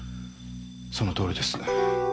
そのとおりです。